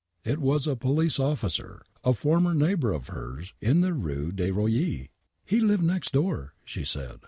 It wac a police officer a former neighbor of hers in the Rue des Kosiers. " He lived next door," she said..